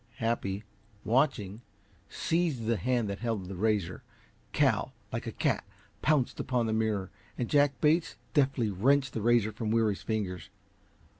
Happy, watching, seized the hand that held the razor; Cal, like a cat, pounced upon the mirror, and Jack Bates deftly wrenched the razor from Weary's fingers.